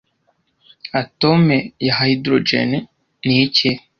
Atome ya hydrogen ni iki